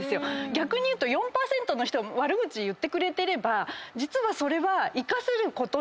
逆に言うと４％の人は悪口言ってくれてれば実はそれは。